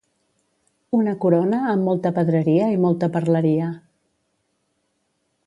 Una corona amb molta pedreria i molta perleria.